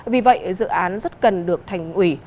vì vậy dự án rất cần được thành ủy